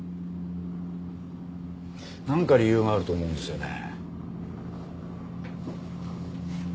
なんか理由があると思うんですよね。